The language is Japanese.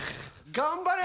頑張れ！